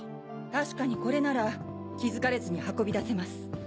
確かにこれなら気付かれずに運び出せます。